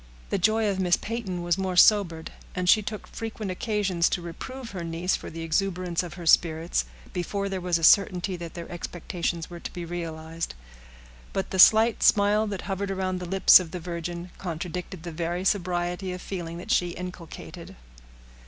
The joy of Miss Peyton was more sobered, and she took frequent occasions to reprove her niece for the exuberance of her spirits, before there was a certainty that their expectations were to be realized. But the slight smile that hovered around the lips of the virgin contradicted the very sobriety of feeling that she inculcated.